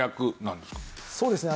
そうですね。